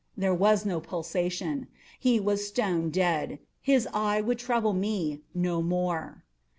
There was no pulsation. He was stone dead. His eye would trouble me no more.